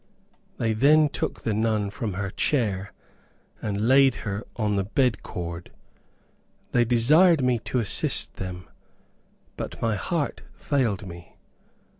They then took the nun from her chair and laid her on the bedcord. They desired me to assist them, but my heart failed me.